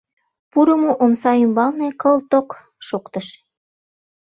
Пурымо омса ӱмбалне кыл-ток шоктыш.